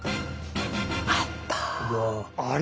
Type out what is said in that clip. あった！